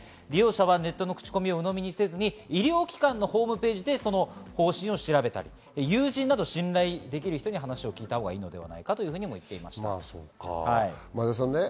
ネットの口コミをうのみにせず、医療機関のホームページで方針を調べたり友人など信頼できる人に話を聞いたほうがいいと言っています。